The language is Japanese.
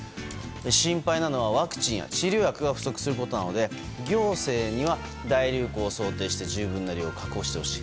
心配なのはワクチンや治療薬が不足することなので行政には、大流行を想定して十分な量を確保してほしい。